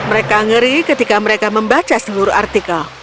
mereka ngeri ketika mereka membaca seluruh artikel